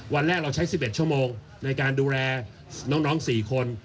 วันแรกเราใช้๑๑ชั่วโมงในการดูแลน้อง๔คน